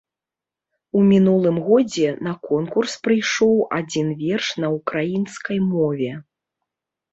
У мінулым годзе на конкурс прыйшоў адзін верш на ўкраінскай мове.